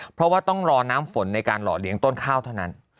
เพราะว่าต้องรอน้ำฝนในการหล่อเลี้ยงต้นข้าวเท่านั้น